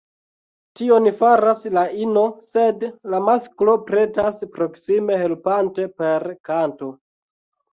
Tion faras la ino, sed la masklo pretas proksime helpante “per kanto”.